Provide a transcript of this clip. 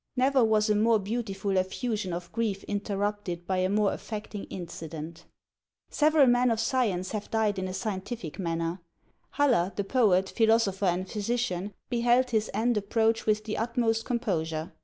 Never was a more beautiful effusion of grief interrupted by a more affecting incident! Several men of science have died in a scientific manner. Haller, the poet, philosopher, and physician, beheld his end approach with the utmost composure.